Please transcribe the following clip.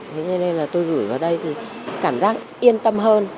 thế cho nên là tôi gửi vào đây thì cảm giác yên tâm hơn